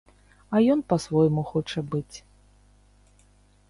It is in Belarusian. А ён па-свойму хоча быць.